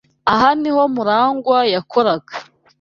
Aha niho Murangwa yakoraga.